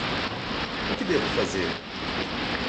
O que devo fazer?